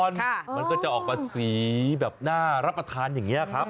มันก็จะออกมาสีแบบน่ารับประทานอย่างนี้ครับ